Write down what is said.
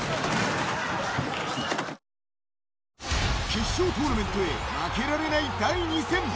決勝トーナメントへ負けられない第２戦。